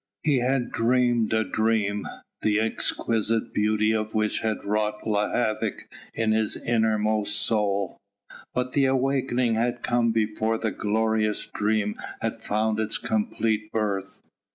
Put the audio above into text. He had dreamed a dream, the exquisite beauty of which had wrought havoc in his innermost soul, but the awakening had come before the glorious dream had found its complete birth.